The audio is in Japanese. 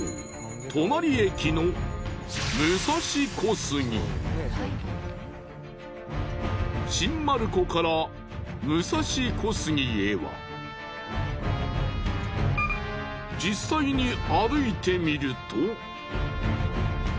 そう新丸子から武蔵小杉へは実際に歩いてみると。